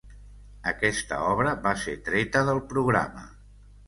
Aquesta obra va ser treta del programa.